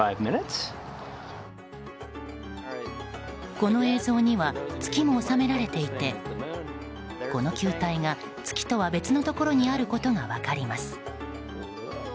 この映像には月も収められていてこの球体が月とは別のところにあることが分かります。